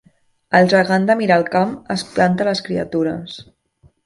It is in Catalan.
El gegant de Miralcamp espanta les criatures